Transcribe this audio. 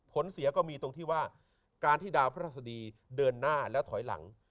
เสียก็มีตรงที่ว่าการที่ดาวพระราชดีเดินหน้าและถอยหลัง